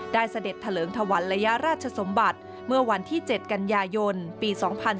เสด็จเถลิงถวันระยะราชสมบัติเมื่อวันที่๗กันยายนปี๒๔